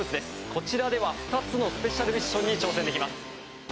こちらでは２つのスペシャルミッションに挑戦できます。